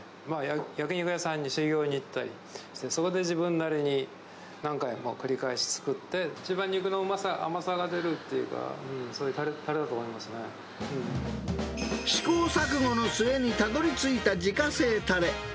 焼き肉屋さんに修業に行ったり、そこで自分なりに何回も繰り返し作って、一番肉のうまさ、甘さが出るっていうか、そういうたれだと思いま試行錯誤の末にたどりついた自家製たれ。